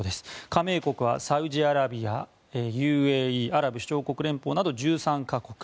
加盟国はサウジアラビアＵＡＥ・アラブ首長国連邦など１３か国。